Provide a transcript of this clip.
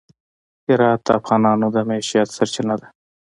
هرات د افغانانو د معیشت سرچینه ده.